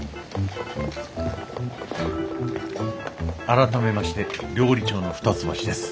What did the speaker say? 改めまして料理長の二ツ橋です。